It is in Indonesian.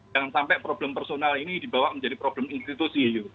jangan sampai problem personal ini dibawa menjadi problem institusi